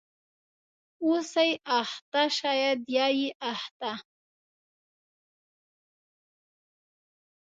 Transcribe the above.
.اوسې اخته شاید یا یې اخته